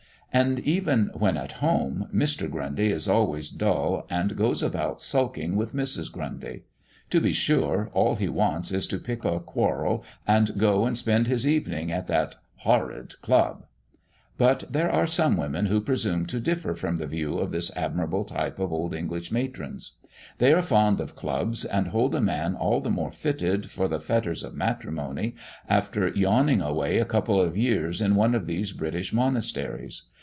And even when at home, Mr. Grundy is always dull, and goes about sulking with Mrs. Grundy. To be sure, all he wants is to pick a quarrel, and go and spend his evening in that "horrid club." But there are some women who presume to differ from the views of this admirable type of old English matrons. They are fond of clubs, and hold a man all the more fitted for the fetters of matrimony after yawning away a couple of years in one of these British monasteries.